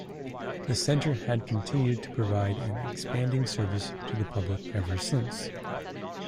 The centre has continued to provide an expanding service to the public ever since.